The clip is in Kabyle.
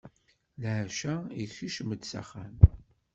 Leɛca, ikcem-d s axxam.